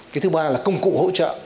cái thứ ba là công cụ hỗ trợ